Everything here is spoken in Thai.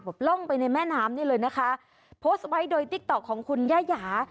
ล่องไปในแม่น้ำนี่เลยนะคะโพสต์ไว้โดยติ๊กต๊อกของคุณย่ายา